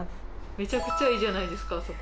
めちゃくちゃいいじゃないですかそこ。